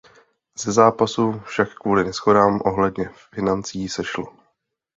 Ze zápasu však kvůli neshodám ohledně financí sešlo.